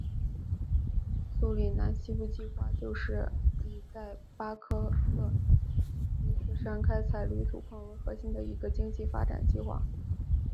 苏里南西部计划就是以在巴克赫伊斯山开采铝土矿为核心的一个经济发展计划。